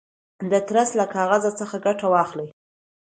د ترس له کاغذ څخه ګټه واخلئ.